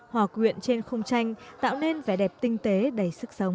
họa quyện trên khung tranh tạo nên vẻ đẹp tinh tế đầy sức sống